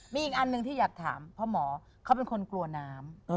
มีอีกอันหนึ่งที่อยากถามเพราะหมอเขาเป็นคนกลัวน้ำ